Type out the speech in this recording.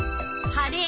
晴れ。